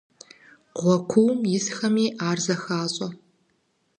Гъуэ куум исхэми ар зыхащӀэ.